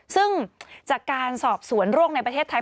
ซึ่งจากการสอบสวนโรคในประเทศไทย